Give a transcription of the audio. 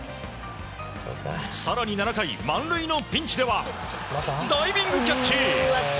更に７回、満塁のピンチではダイビングキャッチ！